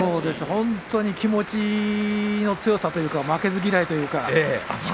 本当に気持ちの強さというか負けず嫌いというか。